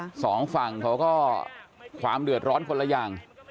สองฝั่งเขาก็ความเดือดร้อนคนละอย่าง